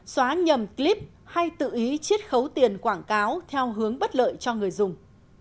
xóa nhầm clip hay tự ý chiết khấu tiền quảng cáo theo hướng bất lợi cho người dùng